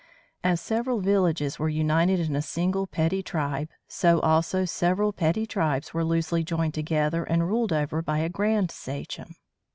As several villages were united in a single petty tribe, so also several petty tribes were loosely joined together and ruled over by a grand sachem.